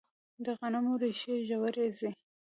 د غنمو ریښې ژورې ځي.